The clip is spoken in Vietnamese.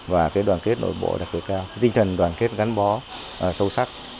và đoàn kết nội bộ đặc biệt cao tinh thần đoàn kết gắn bó sâu sắc